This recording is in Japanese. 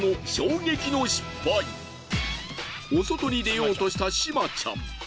お外に出ようとしたしまちゃん。